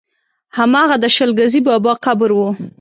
هماغه د شل ګزي بابا قبر و.